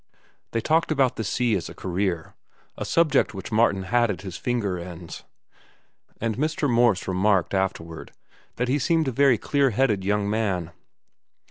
They talked about the sea as a career, a subject which Martin had at his finger ends, and Mr. Morse remarked afterward that he seemed a very clear headed young man.